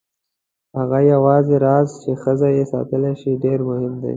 هغه یوازینی راز چې ښځه یې ساتلی شي ډېر مهم دی.